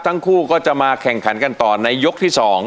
ทั้งคู่ก็จะมาแข่งขันกันต่อในยกที่๒